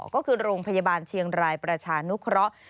ก็คือโรงพยาบาลเชียงรายประชานุเคราะห์